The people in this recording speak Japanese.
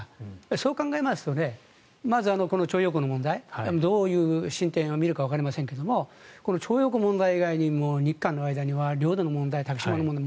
そう考えますとまず、徴用工の問題どういう進展を見るかわかりませんがこの徴用工の問題以外にも日韓の問題領土の問題、竹島の問題